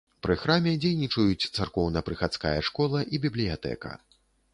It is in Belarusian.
Пры храме дзейнічаюць царкоўна-прыхадская школа і бібліятэка.